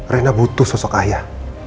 riana butuh sosok ayah